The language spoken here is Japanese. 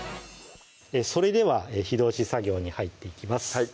それでは火通し作業に入っていきます